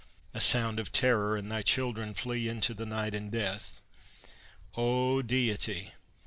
A sound of terror, and thy children flee Into the night and death. O Deity!